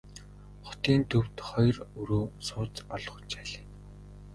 Хотын төвд хоёр өрөө сууц олгож аль.